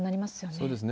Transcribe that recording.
そうですね。